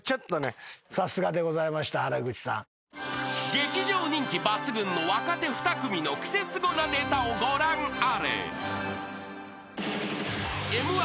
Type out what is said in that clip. ［劇場人気抜群の若手２組のクセスゴなネタをご覧あれ］